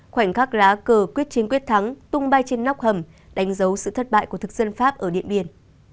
khoảnh khắc lá cờ quyết chiến quyết thắng tung bay trên nóc hầm đánh dấu sự thất bại của thực dân pháp ở điện biên